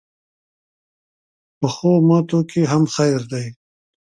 پخو ماتو کې هم خیر وي